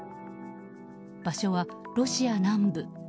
場所はロシア南部。